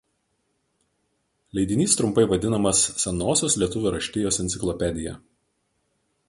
Leidinys trumpai vadinamas senosios lietuvių raštijos enciklopedija.